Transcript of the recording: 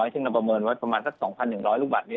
ซึ่งเราประเมินว่าประมาณสัก๒๑๐๐ลูกบัตรนี้